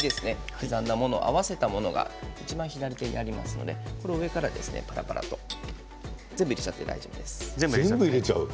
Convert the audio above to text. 刻んだものを合わせたものがいちばん左手にありますのでこれを上からパラパラと全部、入れちゃって大丈夫です。